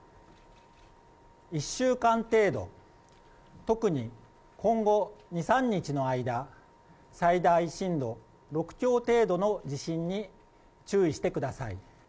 １週間程度、特に今後２、３日の間、最大震度６強程度の地震に注意してください。